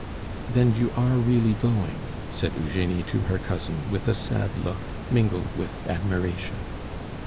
"Then you are really going?" said Eugenie to her cousin, with a sad look, mingled with admiration.